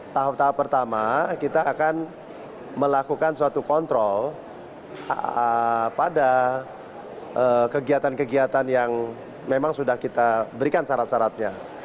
tahap tahap pertama kita akan melakukan suatu kontrol pada kegiatan kegiatan yang memang sudah kita berikan syarat syaratnya